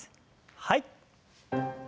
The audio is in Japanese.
はい。